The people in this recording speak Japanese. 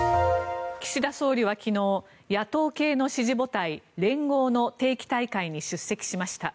岸田総理は昨日野党系の支持母体、連合の定期大会に出席しました。